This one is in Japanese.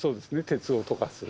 鉄を溶かす。